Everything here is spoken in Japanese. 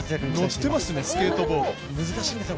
乗ってますねスケートボード。